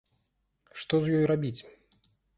Што з ёй рабіць?